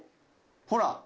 「ほら。